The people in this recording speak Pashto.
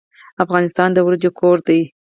افغانستان د وریجو کور دی.